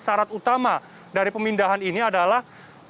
syarat utama dari pemindahan ini adalah